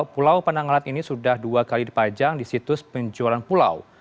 pulau panangalat ini sudah dua kali dipajang di situs penjualan pulau